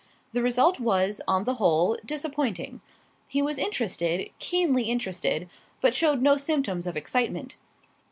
The result was, on the whole, disappointing. He was interested, keenly interested, but showed no symptoms of excitement.